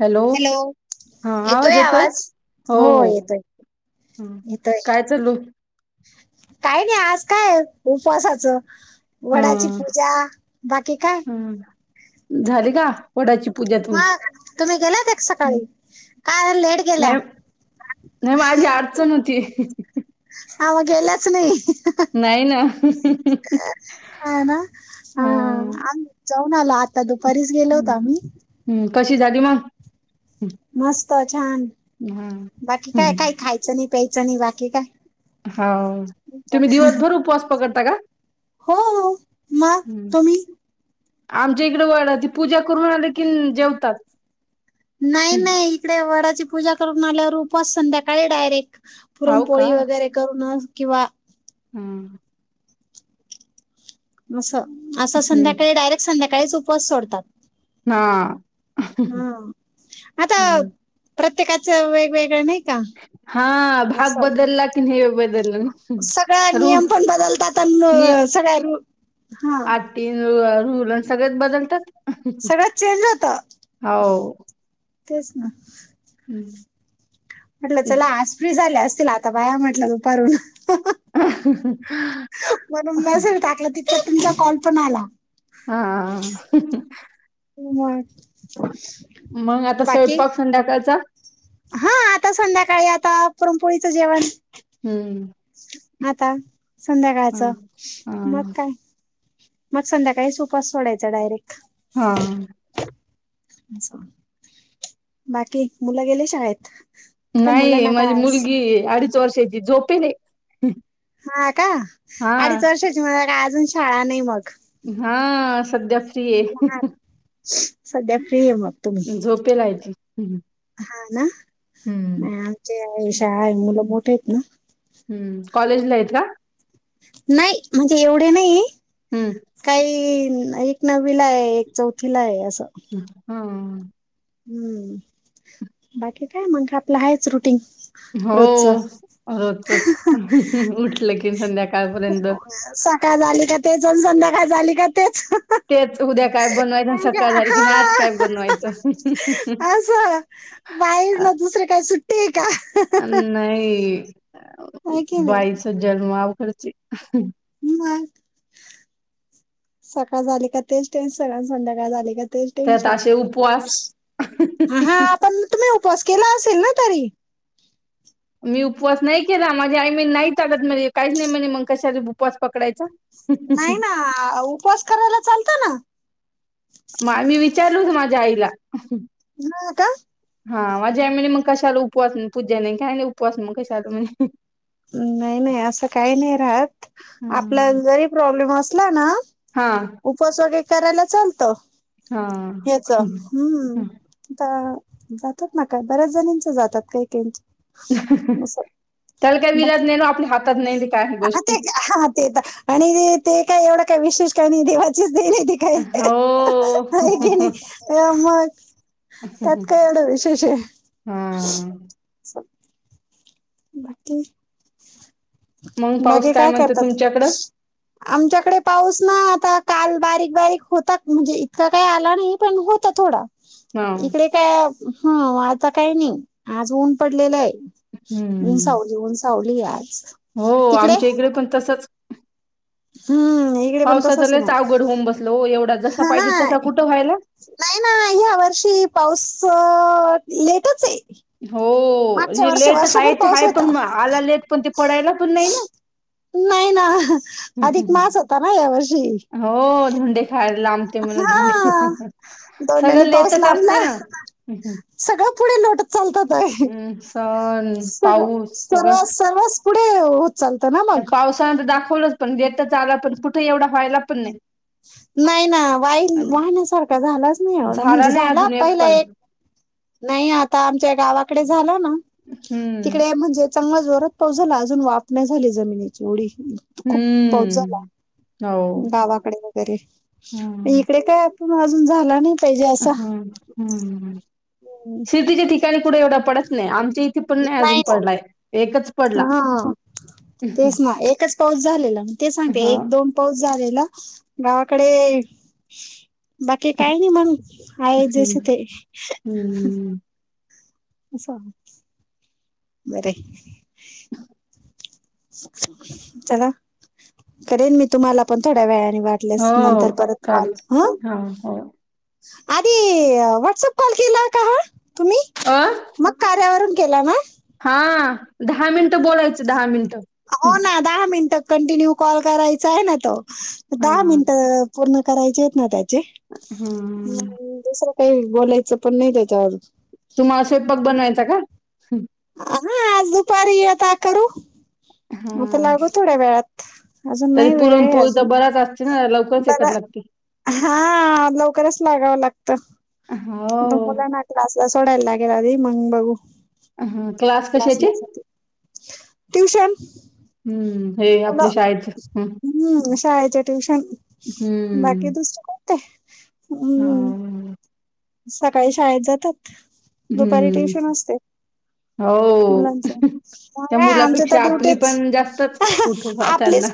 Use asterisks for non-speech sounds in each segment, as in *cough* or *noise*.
Hello हा आवाज येतोय. हो हो, हम्म येतोय काय चालू, काही नाही आज काय उपवासाचं, ह वडाची पूजा. बाकी काय, ह झाली का? वडाची पूजा हा तुमची तुम्ही गेलात हं. सकाळी. काय लेट नाही गेला. नाही माझी अडचण होती. आव गेलाच नाही. नाही ना, ह ना ह.. ह.. आ जाऊन आलो. आता दुपारीच गेलो होतो आम्ही, कशी झाली मग, मस्त छान, बाकी काय काही खायचं नाही प्यायचं नाही बाकी काय. हा.. तुम्ही दिवसभर उपवास पकडता का? हो मग हं. तुम्ही, आमच्या इकडं वडाची पूजा करून, आले कि जेवतात. नाही नाही इकडे वडाची पूजा करून आल्यावर उपवास संध्याकाळी डायरेक्ट. हो पुरणपोळी वगैरे करून किंवा, हम्म. असं, असं हं. संध्याकाळी डायरेक्ट संध्याकाळीच उपवास सोडतात. हा हम आता हं. प्रत्ये प्रत्येकाचं वेगवेगळं नाही का, हा भाग असं, बदलला की हे बदललं सगळा ना नियम रूल्स पण बदलतात. आण, *unintelligible* आटी रुल रूल सगळेच बदलतात. सगळं चेंज होत. हो. तेच ना हम्म. म्हटलं चला आज फ्री झाले असतील. आता बाया म्हटलं दुपारून, *unintelligible* म्हणून मेसेज टाकला तितक्यात तुमचा कॉल पण आला. आ.. मग मग आता बाकी स्वयंपाक संध्याकाळचा, हा आता संध्याकाळी आता पुरन पोळीचं जेवण हम्म. आता हा संध्याकाळच मग हा काय मग संध्याकाळी उपवास सोडायचा डायरेक्ट हा बाकी मुला गेले शाळेत काय नाही मुलांना काय माझी आज मुलगी अडीच वर्षाची झोपेल हा का हा अडीच वर्षाची मला का अजून शाळा नाही मग हा सध्या हा सध्या फ्री आहे मग तुम्ही झोपे लायची हा ना नाही आमचे शाळा आहे मुलं मोठ आहेत ना हम्म कॉलेजला आहेत का नाही म्हणजे एवढे नाही हम्म. काही एक नववीला आहे एक चौथीला आहे अस हा हम्म बाकी काय मग आपलं आहेच. रुटीन हो रोजच रोजचच उठलं की संध्याकाळपर्यंत सकाळ झाली का तेच आणि संध्याकाळ झाली का तेच तेच उद्या काय बनवायचं आणि सकाळ झाल हा की ना आज काय बनवायचं असं बाई ना अ दुसरे काय सुट्टी का नाही आहे की नाही बाई चा जन्म हा खरंच मग सकाळ झाली का तेच टेन्शन संध्याकाळ झाली का तेच त्यात टेन्शन असे उपवास हा आपण तुम्ही उपवास केला असेल ना तरी मी उपवास नाही केला माझी आई म्हणे नाही चालत म्हणे काहीच नाही म्हणे मग कशाला उपवास पकडायचा नाही ना उपवास करायला चालतं ना म मी विचारल होत माझ्या आईला हा का हा माझ्या म्हणे मग कशाला उपवास पूजा नाही काय उपवास मग कशाला म्हणे नाही नाही असं काही नाही राहत आपला जरी प्रॉब्लेम असला ना हा उपस वगरे करायला चालतं हा. हच हम्म आता जातात ना काय बऱ्याच जणींच जातात काही का चल का *unintelligible* बाकी ते का हा ते तर आणि ते काय एवढं काय विशेष का नाही देवाचीच देन आहे, ती काय हो. हाय की नाही हा मग त्यात काय एवढं विशेष आहे हां. बाकी मग पाऊस बागे काय म्हणतो करतात तुमच्याकडं? आमच्याकडे पाऊस ना आता काल बारीक बारीक होतात म्हणजे इतका काही आला नाही पण होत थोडा हां. इकडे का ह आता काही नाही आज ऊन पडलेलं आहे हम्म. नसावली ऊंण सावली आहेज हो आमच्या इकडे पण तसच हम्म इकडे पण पावसाचं तसच आहे लयच मग अवघड होऊन बसलं हो एवढा जसा हा ना पाहिजे तसा कुठं व्हायला. नाही ना ह्या वर्षी पाऊस लेटच आहे हो मागच्या हे वर्षी लेट वर्षभर हायच पाऊस हाय होता पण आला लेट पण ते पडायला पण नाही ना नाही ना अधिक मास होता ना यावर्षी हो धोंडे खायला लांबते म्हणून हा धोंडे सगळं दोंडानी पाऊस लेटच लांबला असते ना. हम्म. सगळं पुढे लोट चालतात आहे सण, सगळं पाऊस सर्व सर्व पावसान तर दाखवलंच पण घेेतच आलं पण कुठे एवढा व्हायला पण नाही नाही ना वाई आणि वाहण्यासारखा झालाच नाही एवढा म्हणजे नाही झाला अजून पहिला पण एक नाही आता आमच्या गावाकडे झाला ना हम्म तिकडे म्हणजे च जोरात पाऊस झाला अजून वाफ नाही झाली जमिनीची उडी हम्म हो. गावाकडे वगैरे हम्म इकडे कायण अजून झाला नाही पाहिजे असा शेतीच्या ठिकाणी कुठं एवढ पडत नाही आम इथे पण नाही अजून पडलाय एकच पडला. हा तेच ना एकच पाऊस झालेला म ते सांगते हा एक दोन पाऊस झालेला गावाकडे बाकी काय नाही मग आहे जस हम्म ते हम्म. अचछा बर चला करेन मी तुम्हाला पण थोड्या वेळ वाटल्या हो नंतर परत कॉल चालत. ह हा हो आधी व्हॉट्सअप कॉल केला का तुम्ही अ मग कार्यावरून खला ना हा दहा मिनिटं बोलायचं दहा मिनिट हो ना दहा मिनट कंटिन्यू कॉल करायचा आहे ना तो हा दहा मिनट पूर्ण करायचे आहेत ना त्याचे हम्म दुसर काही बोलायचं पण नाही त्याच्यावर तुम्हा स्वयंपाक बनवायचा का हा आज दुपारी यता करू आता हा लागू थोड्या वेळात अजून तरी नाही वेळ आहे पुरणपोळी तर अजून बराच असते ना लवकरच बर एकत लागते. हा लवकरच लागावं लागतं हो. मुला ना क्लासला सोडाय लागेल मंग बघू ह क्लास कशाचे ट्यूशन हम्म ला हम्म शाळेचे ट्युशन बाकी हं. दुसर कोण ते हम् हो. सकाळी शाळेत जातात दुपारी हं. ट्युशन असते हो. मुलांच त्या आमचे तर मुलापेक्षा आपली ड्युटेच पण जास्तच उठोबा त्यांना. आपलीच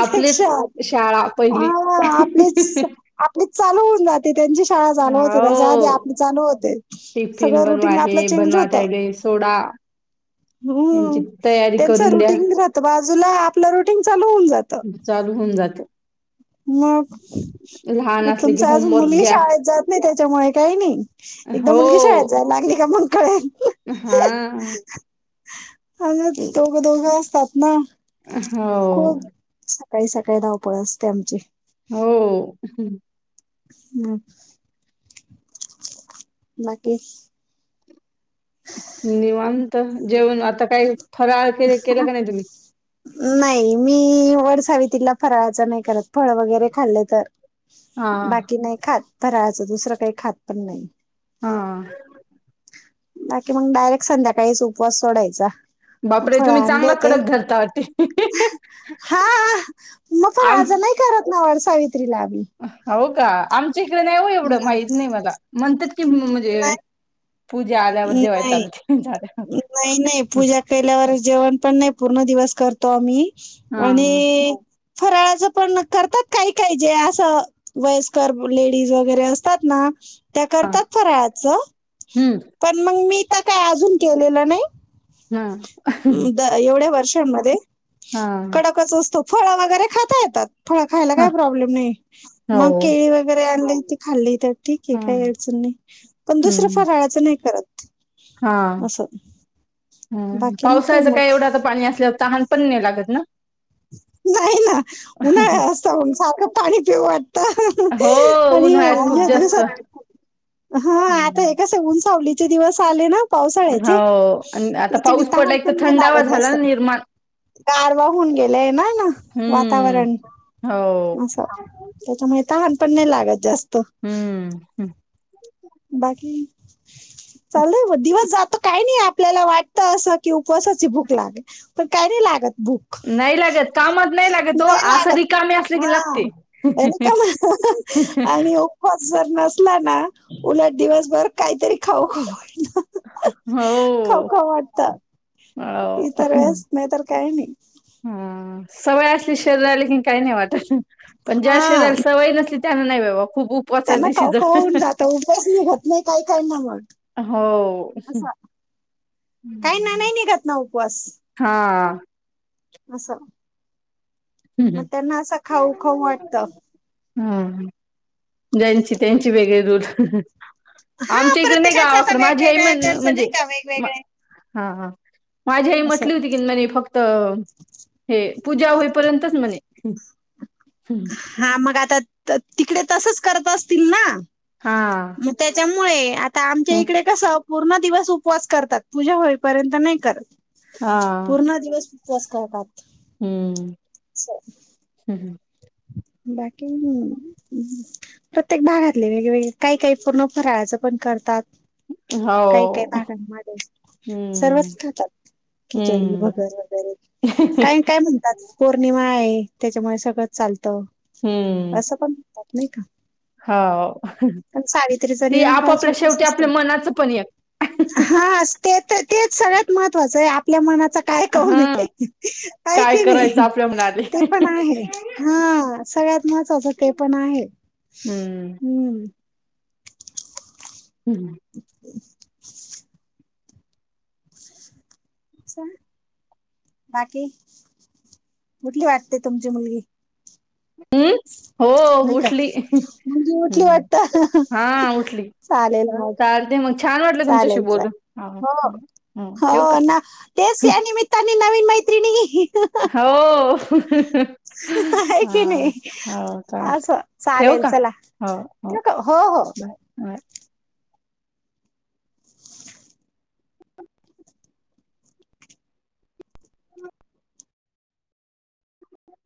आपलीच क्षा शाळा पहिली. आपलीच ी चालू होऊन जाते त्यांची शाळा जाण होते त्याच्या आधी हो. आपले जाणू होते टिफिन सगळं बनवा, रुटीग आपलं हे चेंज बनवा, होत त्याले सोडा. यांची हम्म तयारी त्यांच करून द्या. रुटीन राहत बाजूला आपलं रुटीग चालू होऊन जातं. चालू होऊन जाते मग लहान असले की तुमचा आज होमवर्क मुलगी घ्या. शाळेत जात नाही त्याच्यामुळे काही नाही एकदा हो. मुलगी शाळेत जायला लागली का कळेल हा अ दोघं दोघं असतात ना हो काही सकाळी धावपळ असते आमची हो हम् बाकी निवंत जेवण आता काय फराळ के केलं का नाही तुम्ही? नाही मी वर्ष तिला फराळाचं नाही करत फळ वगैरे खाल्ले तर हा बाकी नाही खात फराळाचं दुसरं काही खात पण नाही हा बाकी मग डायरेक्ट संध्याकाळीच उपवास सोडायचा बापरे फळ तुम्ही आणले चांगला होते कडक घालता हा मग पण आ आम नाही करत नाव हो का आम चिकलं नाही हो एवढं माहित नाही मला म्हणतात कि म्हणजे नाही पूजा आल्यावर जेवायाच नाही चालते झाल्यावर नाही नाही पूजा केल्यावर जेवण पण नाही पूर्ण दिवस करतो आम्ही हा आणि फराळाचं पण करतात काही काय जे असं वयस्कर लेडीज वगैरे असतात ना त्या हा करतात फरा आचं हम्म पण मग मी तर काय अजून केलेलं नाही हा एवढ्या वर्ष हा कडकच असतो फळ वगैरे खाता येतात फळं खायला ह काही प्रॉब्लेम नाही मग हो केळी वगैरे आणली ती खाल्ली ठीक आहे काही अडचण नाही पण दुसरं हम्म फाराळाचं नाही करत हा असं हम बाकी नाही पावसाचं काय मग एवढं आ तर पाणी असल्यावर तहान पण न लागत ना नाही ना उन्हाळ असत सारखं पाणी पिऊ हो आणि उन्हाळ्यात या खूप जास्त. दिवसात हा आता हम्म हे कस उंचावलीचे दिवस आले ना पावसाळ्याचे हो आणि आता त्याच्या पाऊस पडला तहाण एक तर पण नाही थंडावा लागत झाला अस ना निर्माण कारवा होऊन गेले ना हम्म वातावरण हो अस त्या लहान पण नाही लागत जास्त हम्म हं. बाकी चालेल दिवस जात काही नाही आपल्याला वाटत असं की उपवासाची भूक लागेल पण काय नाही लागत भूक नाही लागत कामात लागत हो नाही असं लागत रिकामी असले की लागते आणि उपवास जर नसला ना उलट दिवसभर काहीतरी खाऊ खडलं हो खाऊ खाऊ वाटत हो इतर वेळेस नाही तर काही नाही हां. सवय असली शरीरा ले कि काही नाही वाटत पण ज्या शरीराला सवय नसली त्याना नाही बा ब त्यामुळे काव काव होऊन जात उभच निघत नाही काही काही ना मण हो काही ना नाही निघत ना उपवास हा असं मग हम्म त्यांना असं खाऊ खाऊ वाटत ह जची त्यांची वेगळी दूर हा आमच्या इकडे नाही प्रत्येकाचं आता गावाकड माझी आई वेगवेगळ्या म्हण कडचं म्हणजे नाही का वेगवेगळे हा माझी आई असं म्हटली होती की म्हणे फक्त हे पूजा होईपर्यंतच म्हणे ह् हा मग आता तिकडे तसच करत असतील ना हा मग त्याच्यामुळे आता आमच्या इकडे कस पूर्ण दिवस उपवास करतात पूजा होईपर्यंत नाही करत हा पूर्ण दिवस तेच करळतात हम्म हम् हम बाकी प्रत्येक भागातले वेगवेगळे काही काही पूर्ण फराळाचं पण करतात काही काही हो भागांमध्ये सर्वच हम्म खातात खिचडी हम्म भगर वगैरे काय काय म्हणतात पौर्णिमा आहे त्याच्यामुळे सगळं चालत हम्म असं पण म्हणतात नाही का हो सावित्रीचा ती निरंकाळ च आपापल्या उपवास शेवटी असत आपल्या मनाचं पण एक हा असते तेच सगळत महत्त्वाचं आपल्या मनाच काय कू न हा आहे काय की करायचं नाही आपल्या मनाले ते पण आहे हा सगळ्यात महत्त्वाचं ते पण आहे हम्म हम्म स बाकी कुठली वाटते तुमची मुलगी हम् हो नाही का उठली मुलगी ह हा उठली चाले ना चालते मग छान वाटलं तुमच्याशी चालेल बोलून चालेल हो ठेवू का हो ना तेच या निमित्ताने नवीन मैत्री नि हो आहे हा की नाही हो चाल असं ठेव चालेल का चला हो हो ठेवू का? हो बाय